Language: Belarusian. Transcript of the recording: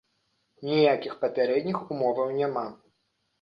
Ніякіх папярэдніх умоваў няма.